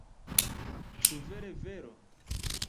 Ĉu vere vero?